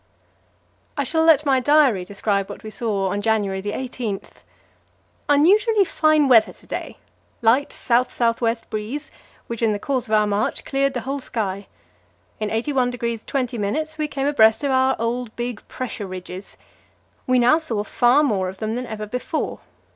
I shall let my diary describe what we saw on January 18: "Unusually fine weather to day. Light south south west breeze, which in the course of our march cleared the whole sky. In 81° 20' we came abreast of our old big pressure ridges. We now saw far more of them than ever before.